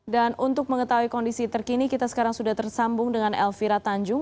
dan untuk mengetahui kondisi terkini kita sekarang sudah tersambung dengan elvira tanjung